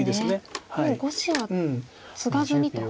もう５子はツガずにと。